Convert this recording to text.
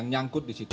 yang nyangkut di situ